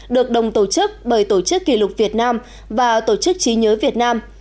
được đồng tổ chức bởi tổ chức kỷ lục việt nam và tổ chức trí nhớ việt nam